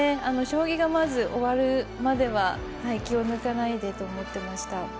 将棋がまず終わるまでは気を抜かないでと思ってました。